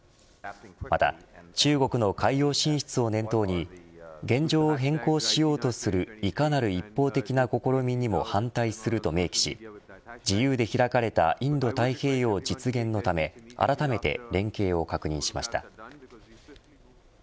また中国の海洋進出を念頭に現状を変更しようとするいかなる一方的な試みにも反対すると明記し自由で開かれたインド太平洋実現のためあらためて連携を確認しました。